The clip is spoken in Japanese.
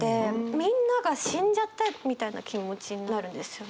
みんなが死んじゃったみたいな気持ちになるんですよね。